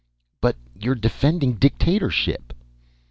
"But you're defending dictatorship!"